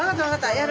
やる。